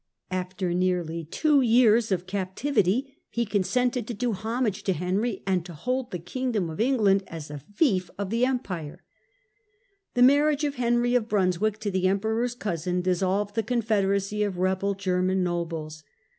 After nearly two years' captivity, he consented to do homage to Henry, and to hold the kingdom of England as a fief of the Empire. The marriage of Henry of Brunswick to the Emperor's cousin dissolved the confederacy of rebel German nobles.